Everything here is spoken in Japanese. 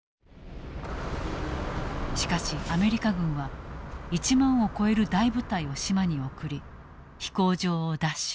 しかしアメリカ軍は１万を超える大部隊を島に送り飛行場を奪取。